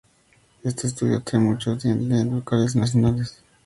Este estudio atrae a muchos clientes locales y nacionales.